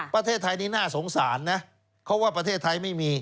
ประเทศไทยนี้น่าสงสารนะเขาว่าประเทศไทยไม่มี